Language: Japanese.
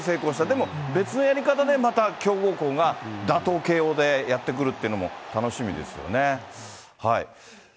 でも別のやり方でまた強豪校が、打倒慶応でやってくるっていうのも楽しみですよね。